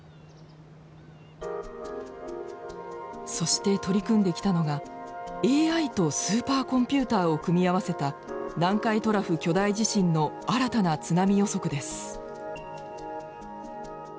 そして取り組んできたのがＡＩとスーパーコンピューターを組み合わせた南海トラフ巨大地震の新たな津波予測です。